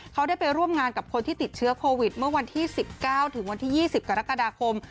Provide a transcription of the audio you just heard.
เขาได้ไปร่วมงานกับคนที่ติดเชื้อโควิดเมื่อวันที่๑๙ถึงวันที่๒๐กรกฎาคม